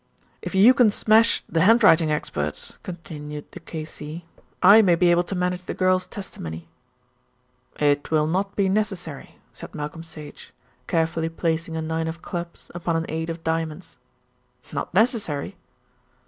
"If you can smash the handwriting experts," continued the K.C., "I may be able to manage the girl's testimony." "It will not be necessary," said Malcolm Sage, carefully placing a nine of clubs upon an eight of diamonds. "Not necessary?"